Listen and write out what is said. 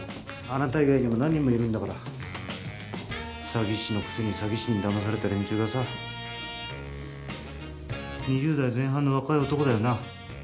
あなた以外にも何人もいるんだから詐欺師のくせに詐欺師にだまされた連中がさ２０代前半の若い男だよな？